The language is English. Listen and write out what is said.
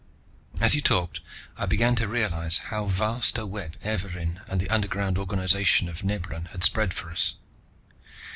As he talked, I began to realize how vast a web Evarin and the underground organization of Nebran had spread for us.